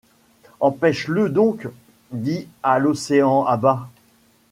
Empêche-le donc ! dis à l’océan à bas !